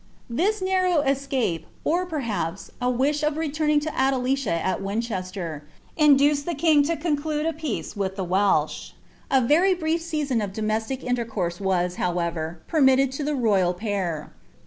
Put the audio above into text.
This narrow escape, or, perhaps, a wUh of reluming to Atlelick U Wesbninsler, induced the king to conclude a peace wtlh the Wel'h. A very brief season of domestic iiilereonrae was, howerer, peimitl«d to the royal pair.